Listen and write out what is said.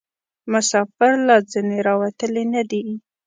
مسافر لا ځني راوتلي نه دي.